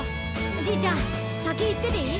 じいちゃんさきいってていい？